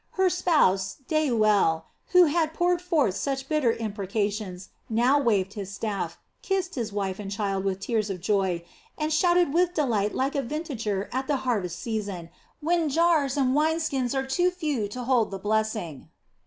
Her spouse, Deuel, who had poured forth such bitter imprecations, now waved his staff, kissed his wife and child with tears of joy, and shouted with delight like a vintager at the harvest season, when jars and wine skins are too few to hold the blessing.